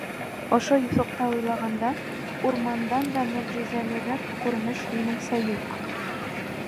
Ошо юҫыҡта уйланғанда, урмандан да мөғжизәлерәк күренеш, минеңсә, юҡ.